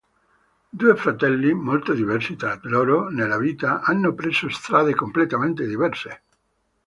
Due fratelli, molto diversi tra loro, nella vita hanno preso strade completamente diverse.